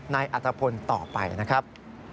ในอัธพนธ์ต่อไปนะครับ